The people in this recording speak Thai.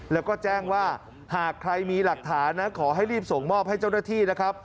แล้วก็แจ้งว่าหากใครมีหลักฐานนะขอให้รีบส่งมอบให้เจ้าหน้าที่นะครับ